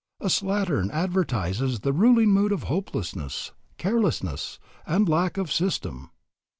A slattern advertises the ruling mood of hopelessness, carelessness, and lack of system.